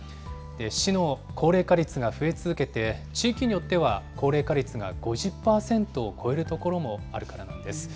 市の高齢化率が増え続けて、地域によっては高齢化率が５０％を超えるところもあるからなんです。